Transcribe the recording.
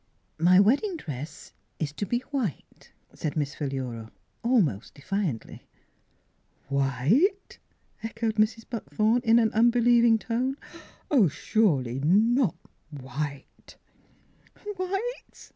" My wedding dress is to be white," said Miss Philura almost defiantly. "White?" echoed Mrs. Buckthorn in an unbelieving tone. " Surely, not white." "White!"